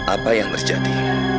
apa yang terjadi